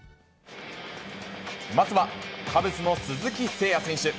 まずは、カブスの鈴木誠也選手。